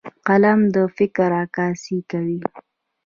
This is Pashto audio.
قلم د فکر عکاسي کوي